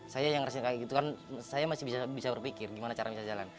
saya yang rasanya kayak gitu kan saya masih bisa berpikir gimana cara bisa jalan